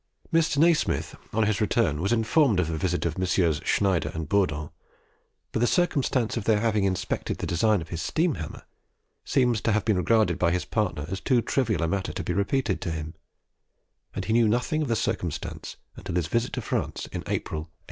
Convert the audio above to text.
Mr. Nasmyth on his return was informed of the visit of MM. Schneider and Bourdon, but the circumstance of their having inspected the design of his steam hammer seems to have been regarded by his partner as too trivial a matter to be repeated to him; and he knew nothing of the circumstance until his visit to France in April, 1840.